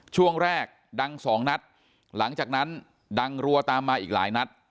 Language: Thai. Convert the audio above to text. ช่วงแรกดังสองนัดหลังจากนั้นดังรัวตามมาอีกหลายนัด